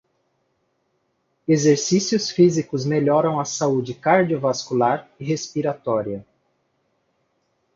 Exercícios físicos melhoram a saúde cardiovascular e respiratória.